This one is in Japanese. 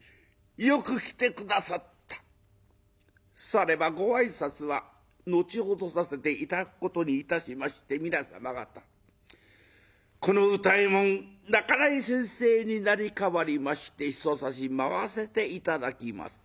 「さればご挨拶は後ほどさせて頂くことにいたしまして皆様方この歌右衛門半井先生に成り代わりましてひとさし舞わせて頂きます」。